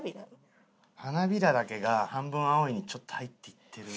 花びらだけが『半分、青い。』にちょっと入っていってる。